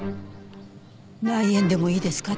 内縁でもいいですか？